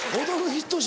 ヒット賞‼」